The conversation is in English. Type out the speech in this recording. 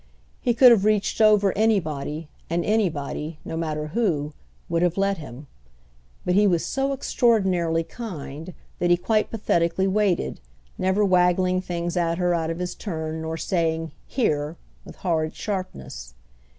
He could have reached over anybody, and anybody—no matter who—would have let him; but he was so extraordinarily kind that he quite pathetically waited, never waggling things at her out of his turn nor saying "Here!" with horrid sharpness.